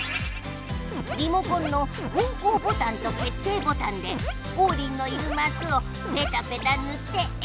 リモコンの方向ボタンと決定ボタンでオウリンのいるマスをペタペタぬってえらぶのじゃ！